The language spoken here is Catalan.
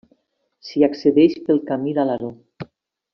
S'hi accedeix pel Camí d'Alaró.